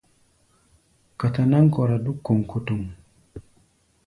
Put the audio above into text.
Gata-náŋ kɔra dúk kɔŋkɔtɔŋ.